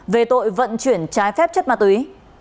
về tội vận chuyển trái phép chất ma túy